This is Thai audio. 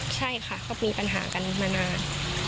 ใช่ค่ะก็มีปัญหากันมานาน